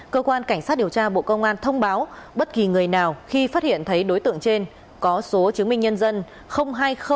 cơ quan cảnh sát điều tra bộ công an thông báo bất kỳ người nào khi phát hiện thấy đối tượng trên có số chứng minh nhân dân hai mươi năm trăm tám mươi tám chín trăm bảy mươi